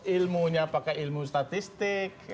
ilmunya pakai ilmu statistik